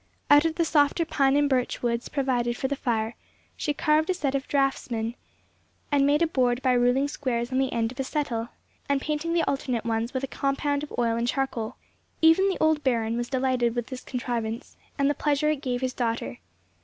Out of the softer pine and birch woods provided for the fire, she carved a set of draughtsmen, and made a board by ruling squares on the end of a settle, and painting the alternate ones with a compound of oil and charcoal. Even the old Baron was delighted with this contrivance, and the pleasure it gave his daughter.